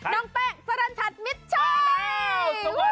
น้องแป้งสรรคัดมิดชัย